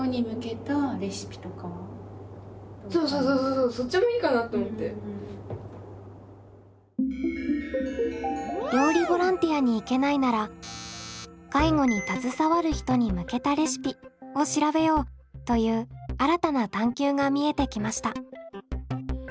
さあこのように料理ボランティアに行けないなら「介護に携わる人に向けたレシピ」を調べようという新たな探究が見えてきました。